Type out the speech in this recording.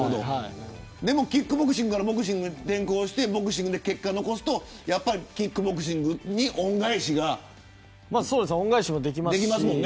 キックボクシングからボクシングに転向して結果を残すとキックボクシングに恩返しができますもんね